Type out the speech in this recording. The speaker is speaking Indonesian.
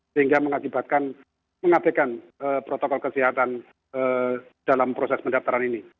sehingga mengakibatkan mengabekan protokol kesehatan dalam proses pendaftaran ini